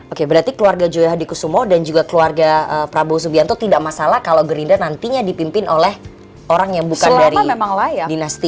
oke berarti keluarga joya hadikusumo dan juga keluarga prabowo subianto tidak masalah kalau green dry nantinya dipimpin oleh orang yang bukan dari dinasti